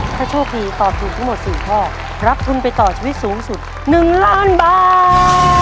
ถ้าโชคดีตอบถูกทั้งหมด๔ข้อรับทุนไปต่อชีวิตสูงสุด๑ล้านบาท